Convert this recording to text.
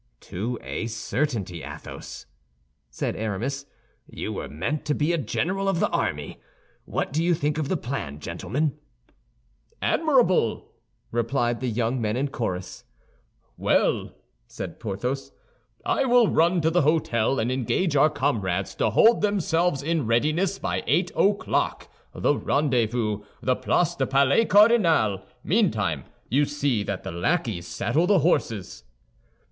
"To a certainty, Athos," said Aramis, "you were meant to be a general of the army! What do you think of the plan, gentlemen?" "Admirable!" replied the young men in chorus. "Well," said Porthos, "I will run to the hôtel, and engage our comrades to hold themselves in readiness by eight o'clock; the rendezvous, the Place du Palais Cardinal. Meantime, you see that the lackeys saddle the horses."